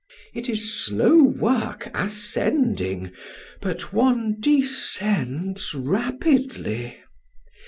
It is slow work ascending, but one descends rapidly.